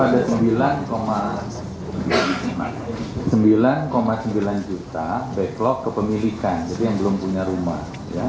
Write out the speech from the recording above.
jadi tadi selalu saya sampaikan itu ada sembilan sembilan juta backlog kepemilikan jadi yang belum punya rumah